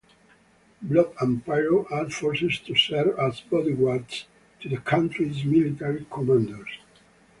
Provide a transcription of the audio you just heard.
Blob and Pyro are forced to serve as bodyguards to the country's military commanders.